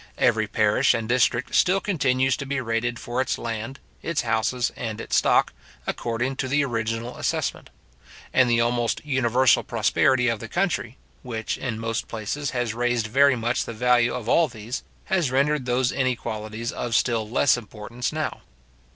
Every parish and district still continues to be rated for its land, its houses, and its stock, according to the original assessment; and the almost universal prosperity of the country, which, in most places, has raised very much the value of all these, has rendered those inequalities of still less importance now.